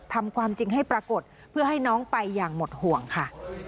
ทำความจริงให้ปรากฏเพื่อให้น้องไปอย่างหมดห่วงค่ะ